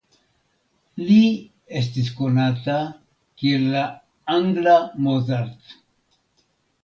Li estis konata kiel la «angla Mozart».